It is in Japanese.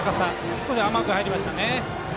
少し甘く入りました。